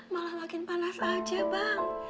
malah makin panas aja bang